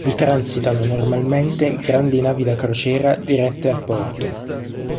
Vi transitano normalmente grandi navi da crociera dirette al porto.